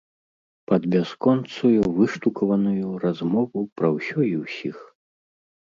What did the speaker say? Пад бясконцую выштукаваную размову пра ўсё і ўсіх.